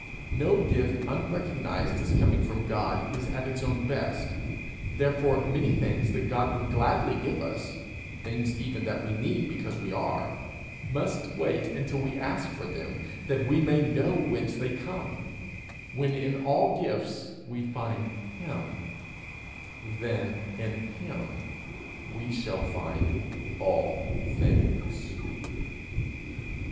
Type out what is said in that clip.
No gift unrecognized as coming from God is at its own best; therefore many things that God would gladly give us, things even that we need because we are, must wait until we ask for them, that we may know whence they come: when in all gifts we find him, then in him we shall find all things.